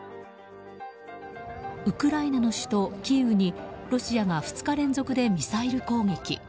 ウクライナの首都キーウにロシアが２日連続でミサイル攻撃。